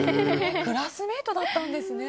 クラスメートだったんですね。